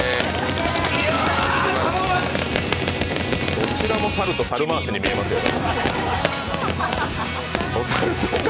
どちらも、猿と猿まわしに見えますね。